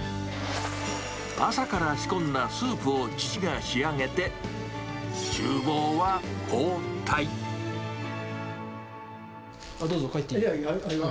朝から仕込んだスープを父が仕上げて、どうぞ、帰っていいよ。